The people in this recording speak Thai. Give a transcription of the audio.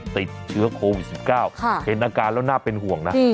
ติดเชื้อโควิด๑๙เห็นอาการแล้วน่าเป็นห่วงนะ